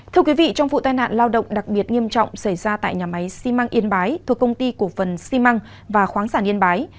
thưa quý vị trong vụ tai nạn lao động đặc biệt nghiêm trọng xảy ra tại nhà máy xi măng yên bái thuộc công ty cổ phần xi măng và khoáng sản yên bái